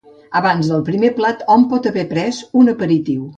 Abans del primer plat hom pot haver pres un aperitiu.